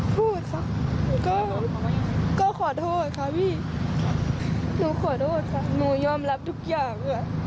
พูดค่ะก็ขอโทษค่ะพี่หนูขอโทษค่ะหนูยอมรับทุกอย่างค่ะ